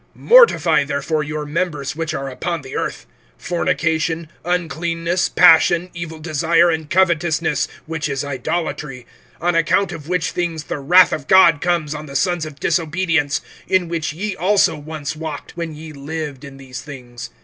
(5)Mortify therefore your members which are upon the earth; fornication, uncleanness, passion, evil desire, and covetousness, which is idolatry; (6)on account of which things the wrath of God comes on the sons of disobedience; (7)in which ye also once walked, when ye lived in these things.